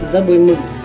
rất vui mừng